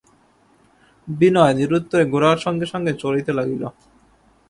বিনয় নিরুত্তরে গোরার সঙ্গে সঙ্গে চলিতে লাগিল।